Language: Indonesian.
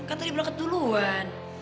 kan tadi berangkat duluan